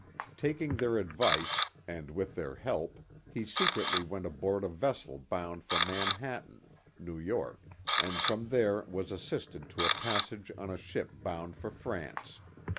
Taking their advice, and with their help, he secretly went aboard a vessel bound for Manhattan (New York), and from there was assisted to a passage on a ship bound for France.